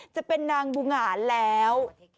จะเป็นนางบูหงาแล้ว